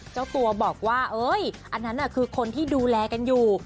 เจ้าตัวบอกว่าอันนั้นคือคนที่ดูแลกันอยู่